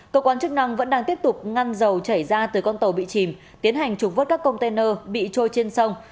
cơ quan chức năng vẫn đang tiếp tục ngăn dầu chảy ra từ con tàu bị chìm tiến hành trục vớt các container bị trôi trên sông